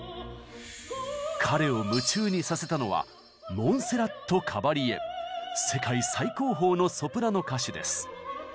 彼を夢中にさせたのは世界最高峰のソプラノ歌手です。